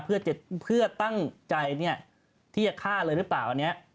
เพื่อตั้งใจที่จะฆ่าเลยหรือเปล่าอันนี้